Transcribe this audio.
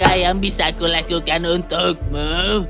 ada yang bisa kulakukan untukmu